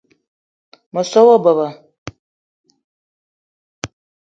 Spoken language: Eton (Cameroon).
Me so wa beba